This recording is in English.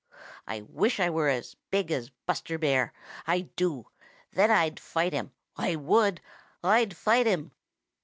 I wish I were as big as Buster Bear. I do. Then I'd fight him. I would. I'd fight him."